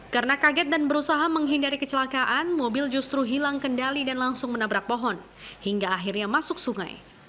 karena kaget dan berusaha menghindari kecelakaan mobil justru hilang kendali dan langsung menabrak pohon hingga akhirnya masuk sungai